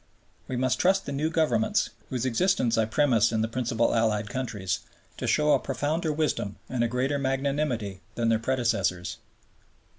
We must trust the new Governments, whose existence I premise in the principal Allied countries, to show a profounder wisdom and a greater magnanimity than their predecessors.